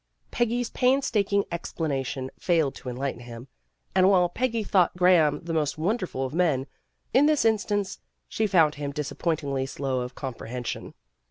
Peggy's painstaking explanation failed to en lighten him, and while Peggy thought Graham the most wonderful of men, in this instance she found him disappointingly slow of comprehen sion.